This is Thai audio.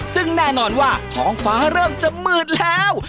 ซึ่งแน่นอนว่าท้องฟ้าเริ่มจะมืดแล้ว